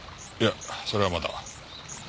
いやそれはまだ。